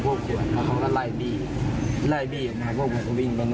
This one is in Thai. รอบแรกเขาก็ปลาระเบิดมาจุดรูปไม่รู้